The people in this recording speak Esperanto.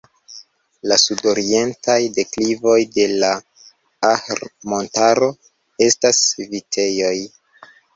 La sudorientaj deklivoj de la Ahr-montaro estas vitejoj.